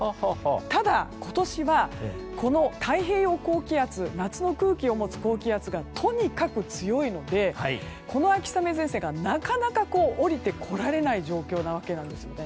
ただ、今年は太平洋高気圧夏の空気を持つ高気圧がとにかく強いのでこの秋雨前線がなかなか下りてこられない状況なわけです。